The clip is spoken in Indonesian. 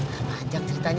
gak panjang ceritanya